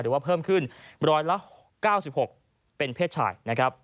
หรือว่าเพิ่มขึ้นร้อยละ๙๖เป็นเพศชาย